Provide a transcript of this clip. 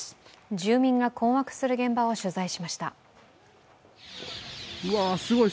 住民が困惑する現場を取材しました。